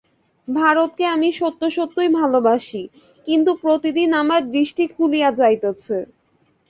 ভারতকে আমি সত্য-সত্যই ভালবাসি, কিন্তু প্রতিদিন আমার দৃষ্টি খুলিয়া যাইতেছে।